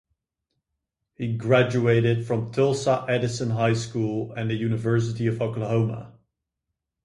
He graduated from Tulsa Edison High School and the University of Oklahoma.